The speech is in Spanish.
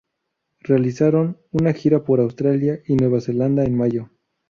Realizaron una gira por Australia y Nueva Zelanda en mayo.